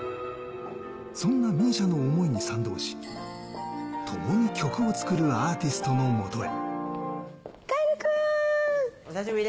そんなＭＩＳＩＡの想いに賛同し、ともに曲を作るアーティストの元へ。